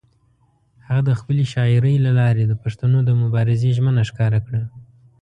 هغه د خپلې شاعرۍ له لارې د پښتنو د مبارزې ژمنه ښکاره کړه.